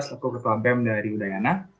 selaku ketua bem dari udayana